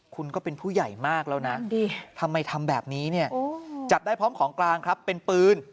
คุณก็เป็นผู้ใหญ่มากแล้วนะทำไมทำแบบนี้เนี่ยจับได้พร้อมของกลางครับเป็นปืน